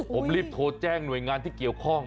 ผมรีบโทรแจ้งหน่วยงานที่เกี่ยวข้อง